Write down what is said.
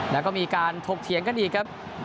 แล้วก็มีการถกเถียงกันอีกครับ